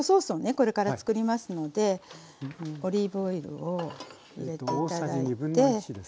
これから作りますのでオリーブオイルを入れて頂いて。